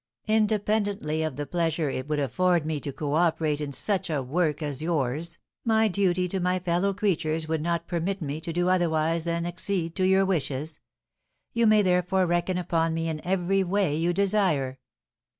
"Independently of the pleasure it would afford me to coöperate in such a work as yours, my duty to my fellow creatures would not permit me to do otherwise than accede to your wishes; you may therefore reckon upon me in every way you desire."